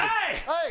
はい！